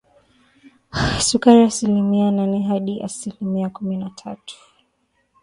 sukari asilimia nane hadi asilimia kumi na tatu